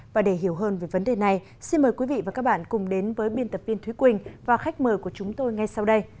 và để hiểu hơn về vấn đề này xin mời quý vị và các bạn cùng đến với biên tập viên thúy quỳnh và khách mời của chúng tôi ngay sau đây